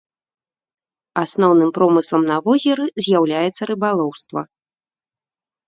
Асноўным промыслам на возеры з'яўляецца рыбалоўства.